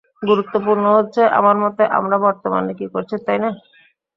গুরুত্বপূর্ণ হচ্ছে, আমার মতে, আমরা বর্তমানে কী করছি, তাই না?